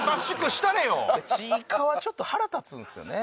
ちいかわちょっと腹立つんですよね。